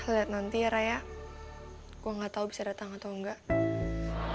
liat nanti ya rey gue gak tau bisa datang atau enggak